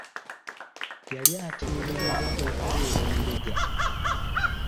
Yali ateeberebwa okubeera mbega.